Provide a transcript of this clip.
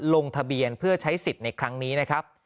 ลงทะเบียนเพื่อใช้สิทธิ์ในครั้งนี้นะครับ